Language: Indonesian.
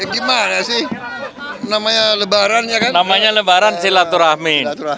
gimana sih namanya lebaran namanya lebaran silaturahmi